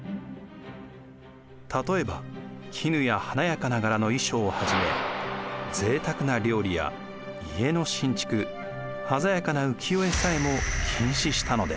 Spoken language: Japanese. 例えば絹や華やかな柄の衣装をはじめぜいたくな料理や家の新築鮮やかな浮世絵さえも禁止したのです。